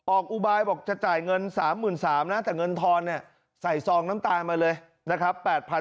อุบายบอกจะจ่ายเงิน๓๓๐๐นะแต่เงินทอนเนี่ยใส่ซองน้ำตาลมาเลยนะครับ